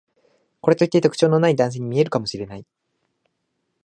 これといって特徴のない男性に見えるかもしれない